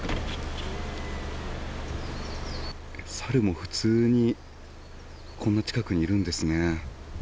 サルも普通にこんな近くにいるんですね。